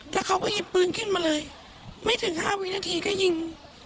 แล้วเขาก็หยิบปืนขึ้นมาเลยไม่ถึง๕วินาทีก็ยิง